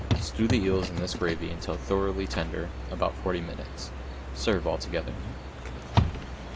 Stew the eels in this gravy until thoroughly tender, about forty minutes. Serve altogether.